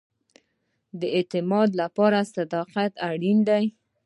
د اعتماد لپاره صداقت اړین دی